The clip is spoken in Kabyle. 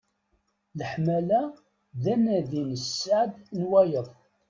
Leḥmala, d anadi n sseɛd n wayeḍ.